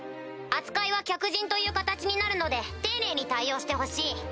扱いは客人という形になるので丁寧に対応してほしい。